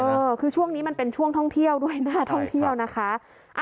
เออคือช่วงนี้มันเป็นช่วงท่องเที่ยวด้วยนะคะ